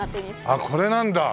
ああこれなんだ。